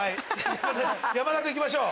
山田君いきましょう。